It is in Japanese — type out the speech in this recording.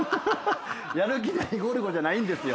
やる気ないゴルゴじゃないんですよ。